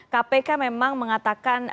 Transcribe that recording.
kpk memang mengatakan